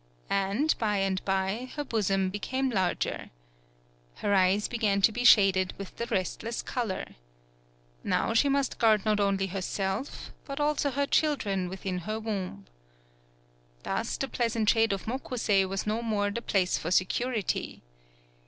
And, by and by, her bosom became larger. Her eyes began to be shaded with the restless color. Now she must guard not only herself, but also her children within her womb. Thus the pleasant shade of Mokusei was no more the place for security.